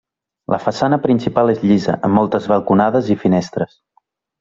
La façana principal és llisa, amb moltes balconades i finestres.